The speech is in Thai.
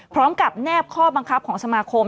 พร้อมกับแนบข้อบังคับของสมาคม